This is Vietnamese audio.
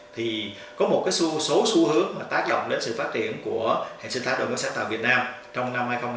thì có một số xu hướng tác động đến sự phát triển của hệ sinh thái đội mới sáng tạo việt nam trong năm hai nghìn hai mươi bốn